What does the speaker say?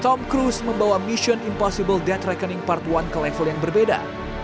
tom cruise membawa mission impossible death rekening part one ke level yang berbeda